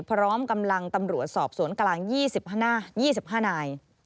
พร้อมกำลังตำรวจสอบสวนกลาง๒๕นาย